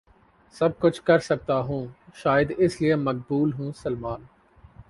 سب کچھ کرسکتا ہوں شاید اس لیے مقبول ہوں سلمان